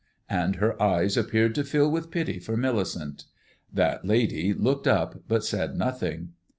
And her eyes appeared to fill with pity for Millicent. That lady looked up, but said nothing.